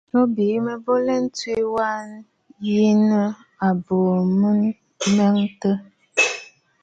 Bo bî mɔꞌɔ bɨ lɛtsù waꞌà yi nɨ̂ àbo mɔ̀ɔ̀ntə̀.